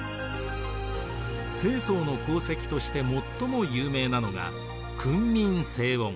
世宗の功績として最も有名なのが「訓民正音」。